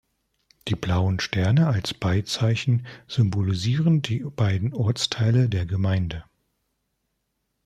Die blauen Sterne als Beizeichen symbolisieren die beiden Ortsteile der Gemeinde.